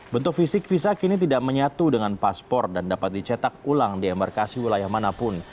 bentuk fisik visa kini tidak menyatu dengan paspor dan dapat dicetak ulang di embarkasi wilayah manapun